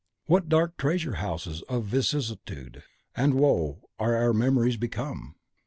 What dark treasure houses of vicissitude and woe are our memories become!